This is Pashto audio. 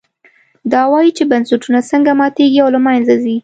دا وایي چې بنسټونه څنګه ماتېږي او له منځه ځي.